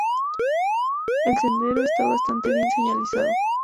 El sendero esta bastante bien señalizado.